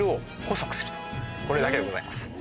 これだけでございます。